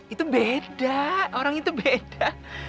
itu beda orang itu beda